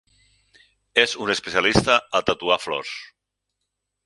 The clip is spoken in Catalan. És un especialista a tatuar flors.